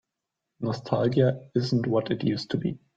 Nostalgia isn't what it used to be.